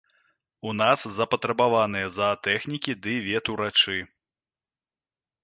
У нас запатрабаваныя заатэхнікі ды ветурачы.